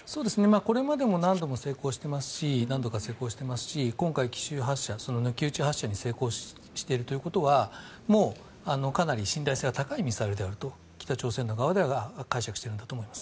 これまでも何度も成功していますし今回、奇襲発射その抜き打ち発射に成功しているということはもうかなり信頼性が高いミサイルであると北朝鮮側が解釈しているんだと思います。